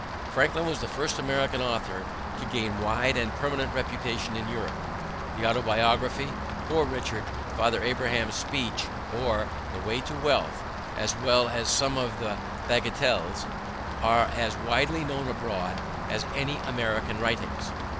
Franklin was the first American author to gain a wide and permanent reputation in Europe. The Autobiography, Poor Richard, Father Abraham's Speech or The Way to Wealth, as well as some of the Bagatelles, are as widely known abroad as any American writings.